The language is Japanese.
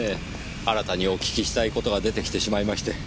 新たにお聞きしたい事が出てきてしまいまして。